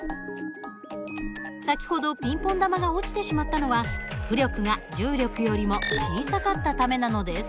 先ほどピンポン球が落ちてしまったのは浮力が重力よりも小さかったためなのです。